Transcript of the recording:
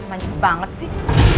manja banget sih